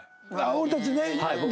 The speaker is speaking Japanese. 俺たちね。